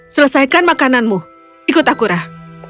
selesaikan makananmu ikut aku rah